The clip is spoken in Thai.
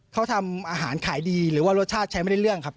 เขาทำอาหารขายดีหรือว่ารสชาติใช้ไม่ได้เรื่องครับ